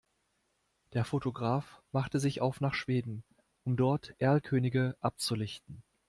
Der Fotograf machte sich auf nach Schweden, um dort Erlkönige abzulichten.